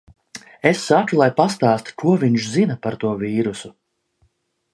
Es saku, lai pastāsta, ko viņš zina par to vīrusu.